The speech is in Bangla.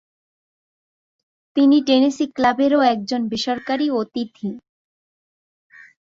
তিনি টেনেসী ক্লাবেরও একজন বেসরকারী অতিথি।